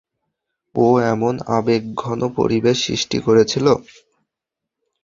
ও এমন আবেগঘন পরিবেশ সৃষ্টি করেছিল।